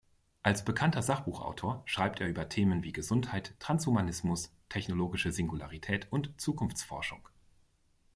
Als bekannter Sachbuchautor schreibt er über Themen wie Gesundheit, Transhumanismus, Technologische Singularität und Zukunftsforschung.